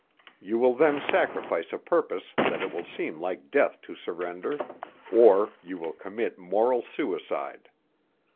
You will then sacrifice a purpose that it will seem like death to surrender or you will commit moral suicide!